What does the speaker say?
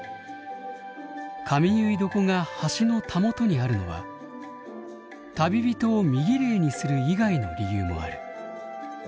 髪結床が橋のたもとにあるのは旅人を身ぎれいにする以外の理由もある。